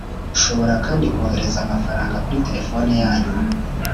Ushobora kandi kohereza amafaranga kuri telephone yanyu